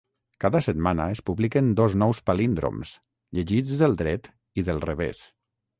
Cada setmana es publiquen dos nous palíndroms, llegits del dret i del revés.